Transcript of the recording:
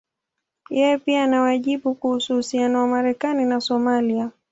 Yeye pia ana wajibu kwa uhusiano wa Marekani na Somalia.